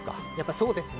そうですね。